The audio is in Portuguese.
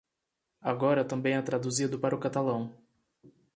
Agora também é traduzido para o catalão.